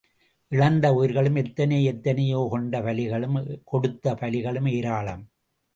இழந்த உயிர்களும் எத்தனை எத்தனையோ கொண்ட பலிகளும் கொடுத்த பலிகளும் ஏராளம்.